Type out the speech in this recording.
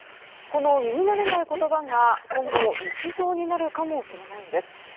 この耳慣れない言葉が今後日常になるかもしれないんです。